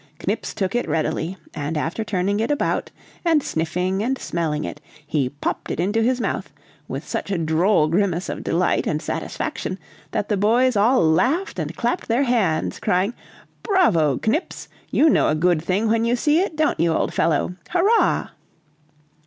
Knips took it readily, and after turning it about, and sniffing and smelling it, he popped it into his mouth, with such a droll grimace of delight and satisfaction that the boys all laughed and clapped their hands, crying "Bravo, Knips! you know a good thing when you see it, don't you, old fellow! Hurrah!"